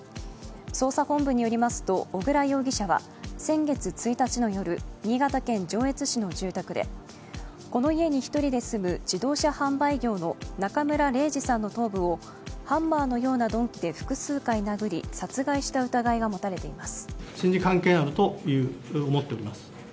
捜査本部によりますと小倉容疑者は先月１日の夜、新潟県上越市の住宅で、この家に１人で住む自動車販売業の中村礼治さんの頭部をハンマーのような鈍器で複数回殴り殺害した疑いが持たれています。